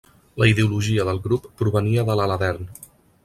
La ideologia del Grup provenia de l'Aladern.